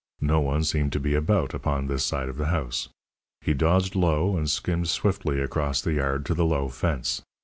No one seemed to be about upon this side of the house. He dodged low, and skimmed swiftly across the yard to the low fence.